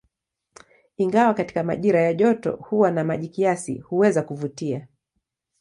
Ingawa katika majira ya joto huwa na maji kiasi, huweza kuvutia.